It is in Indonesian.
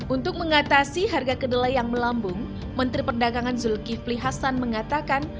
untuk mengatasi harga kedelai yang melambung menteri perdagangan zulkifli hasan mengatakan